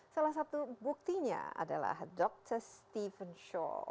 salah satu buktinya adalah dr steven show